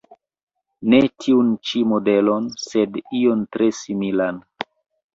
Ne tiun ĉi modelon, sed ion tre similan.